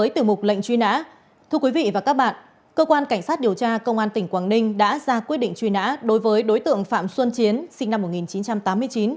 thưa quý vị và các bạn cơ quan cảnh sát điều tra công an tỉnh quảng ninh đã ra quyết định truy nã đối với đối tượng phạm xuân chiến sinh năm một nghìn chín trăm tám mươi chín